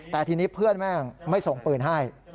แต่ทีนี้เพื่อนแม่งไม่ส่งปืนให้